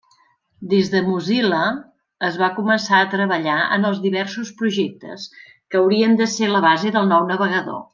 Des de Mozilla es va començar a treballar en els diversos projectes que haurien de ser la base del nou navegador.